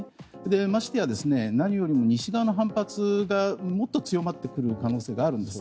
ましてや何よりも西側の反発がもっと強まってくる可能性があるんです。